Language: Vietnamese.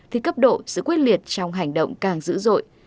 thì cấp độ sự quyết liệt trong hành động càng dữ dội